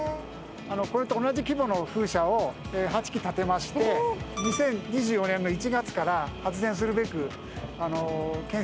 これと同じ規模の風車を８基建てまして２０２４年の１月から発電するべく建設が進められております。